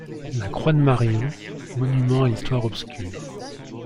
La Croix de Marion, monument à l'histoire obscure.